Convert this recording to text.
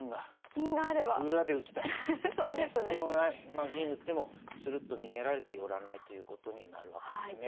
まあ銀打ってもするっと逃げられて寄らないということになるわけですね。